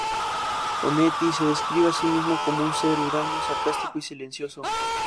Onetti se describe a sí mismo como un ser huraño, sarcástico y silencioso.